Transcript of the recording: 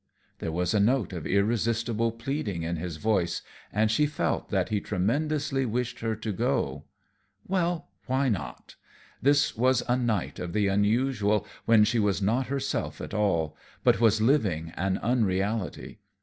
There was a note of irresistible pleading in his voice, and she felt that he tremendously wished her to go. Well, why not? This was a night of the unusual, when she was not herself at all, but was living an unreality.